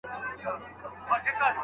ايا دا توپير درته ښکاري؟